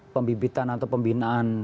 pembibitan atau pembinaan